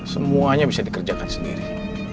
semuanya bisa dikerjakan sendiri